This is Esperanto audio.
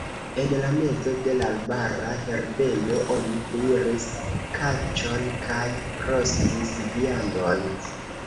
En la mezo de l' arbara herbejo oni kuiris kaĉon kaj rostis viandon.